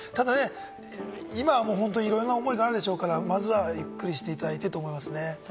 ただね、今、本当にいろんな思いがあるでしょうから、まずはゆっくりしていただいてと思いますね。